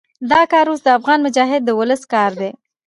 دا کار اوس د افغان مجاهد ولس کار دی.